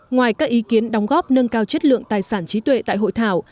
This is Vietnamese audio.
ngoài các ý kiến đóng góp nâng cao chất lượng tài sản trí tuệ tại hội thảo